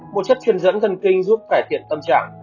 một chất truyền dẫn thần kinh giúp cải thiện tâm trạng